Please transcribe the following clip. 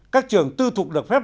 các trường tư thuộc được phép